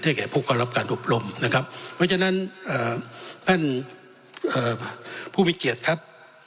ให้ผู้เขาอบรมนะครับเพราะฉะนั้นผู้มิเกียจครับ